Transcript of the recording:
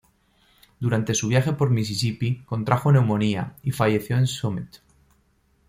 Durante su viaje por Mississipi contrajo neumonía, y falleció en Summit.